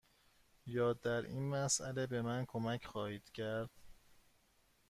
یا در این مسأله به من کمک خواهید کرد؟